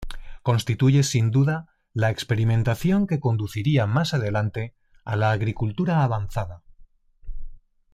Constituye sin duda la experimentación que conduciría más adelante a la agricultura avanzada.